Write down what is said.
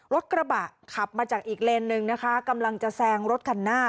รถกระบะขับมาจากอีกเลนหนึ่งนะคะกำลังจะแซงรถคันหน้า